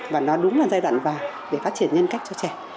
và nó đúng là giai đoạn vàng để phát triển nhân cách cho trẻ